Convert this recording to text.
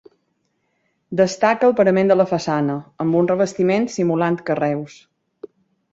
Destaca el parament de la façana, amb un revestiment simulant carreus.